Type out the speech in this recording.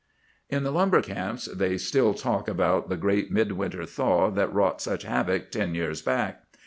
"In the lumber camps they still talk about the great midwinter thaw that wrought such havoc ten years back.